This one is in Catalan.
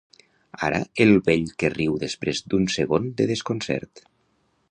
Ara el vell que riu després d'un segon de desconcert.